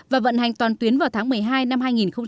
và vận hành toàn tuyến vào tháng một mươi hai năm hai nghìn hai mươi